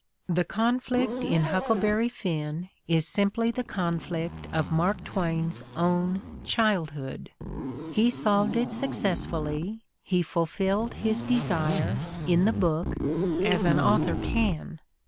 The conflict in "Huckleberry Finn" 36 The Ordeal of Mark Twain is simply the conflict of Mark Twain's own childhood. He solved it successfully, he fulfilled his desire, in the book, as an author can.